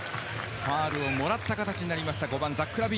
ファウルをもらった形になりました、５番のザック。